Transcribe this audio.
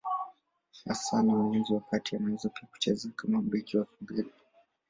Hasa ni mlinzi wa kati, anaweza pia kucheza kama beki wa pembeni.